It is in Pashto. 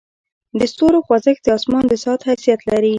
د ستورو خوځښت د اسمان د ساعت حیثیت لري.